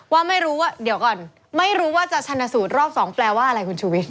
ว่าไม่รู้ว่าเดี๋ยวก่อนไม่รู้ว่าจะชนะสูตรรอบ๒แปลว่าอะไรคุณชูวิท